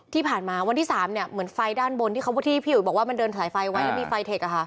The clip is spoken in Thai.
ที่ผ่านมาวันที่๓เหมือนไฟด้านบนที่เขาที่พี่อุ๋ยบอกว่ามันเดินสายไฟไว้แล้วมีไฟเทค